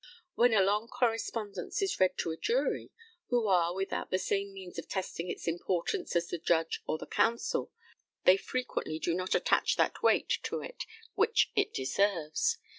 When a long correspondence is read to a jury, who are without the same means of testing its importance as the judge or the counsel, they frequently do not attach that weight to it which it deserves.